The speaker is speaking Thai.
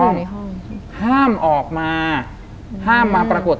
คุณลุงกับคุณป้าสองคนนี้เป็นใคร